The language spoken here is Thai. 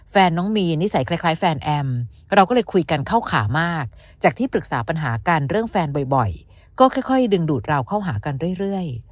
แฟนน้องมีนิสัยคล้ายแฟนแอมเราก็เลยคุยกันเข้าขามากจากที่ปรึกษาปัญหากันเรื่องแฟนบ่อยก็ค่อยดึงดูดเราเข้าหากันเรื่อย